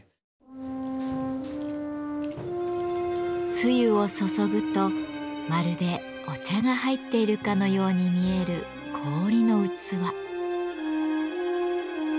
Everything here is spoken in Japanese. つゆを注ぐとまるでお茶が入っているかのように見える氷の器。